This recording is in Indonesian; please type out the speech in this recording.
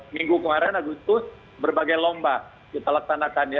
minggu kemarin agustus berbagai lomba kita laksanakan ya